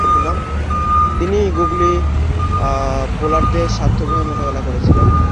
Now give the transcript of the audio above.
তিনি গুগলি বোলারদেরকে স্বার্থকভাবে মোকাবেলা করেছিলেন।